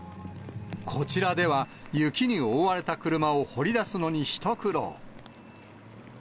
こちらでは、雪に覆われた車を掘り出すのに一苦労。